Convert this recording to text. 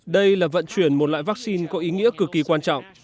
đây là vận chuyển một loại vaccine có ý nghĩa cực kỳ quan trọng